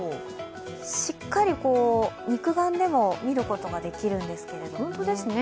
しっかり肉眼でも見ることができるんですけれども。